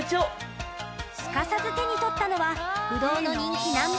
すかさず手に取ったのは不動の人気ＮＯ．